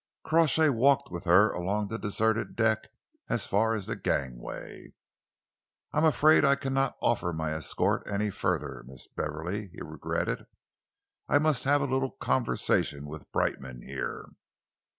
Crawshay walked with her along the deserted deck as far as the gangway. "I am afraid I cannot offer my escort any further, Miss Beverley," he regretted. "I must have a little conversation with Brightman here."